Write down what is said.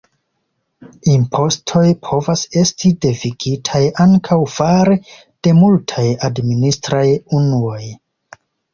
Impostoj povas esti devigitaj ankaŭ fare de multaj administraj unuoj.